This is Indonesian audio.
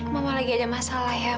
mengapa kamu sedih masih ibadah